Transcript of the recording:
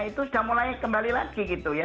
itu sudah mulai kembali lagi gitu ya